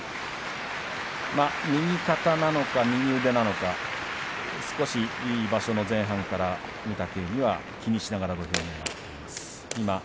右肩なのか右腕なのか場所の前半から少し御嶽海は気にしながら相撲を取っています。